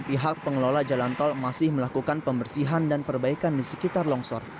pihak pengelola jalan tol masih melakukan pembersihan dan perbaikan di sekitar longsor